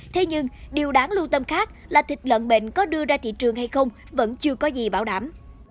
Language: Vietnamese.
thế nhưng điều đáng lưu tâm khác là thịt lợn bệnh có đưa ra thị trường hay không vẫn chưa có gì bảo đảm